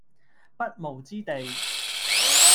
不毛之地